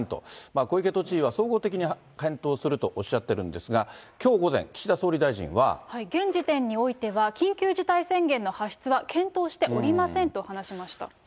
小池都知事は総合的に検討するとおっしゃってるんですが、きょう現時点においては、緊急事態宣言の発出は検討しておりませんと話しました。